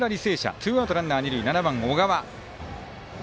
ツーアウト、ランナー、二塁ランナー、小川。